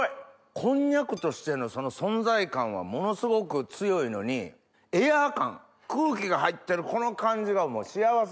こんにゃくとしての存在感はものすごく強いのにエア感空気が入ってるこの感じが幸せ。